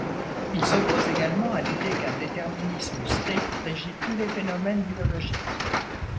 Il s'oppose également à l'idée qu'un déterminisme strict régit tous les phénomènes biologiques.